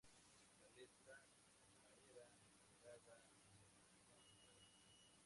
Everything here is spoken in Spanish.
La letra le era entregada en formato de audio.